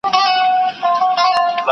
لاسونه بايد د قانون له مخې پرې سي.